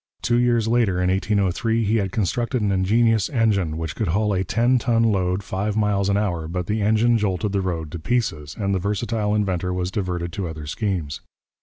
Two years later, in 1803, he had constructed an ingenious engine, which could haul a ten ton load five miles an hour, but the engine jolted the road to pieces, and the versatile inventor was diverted to other schemes.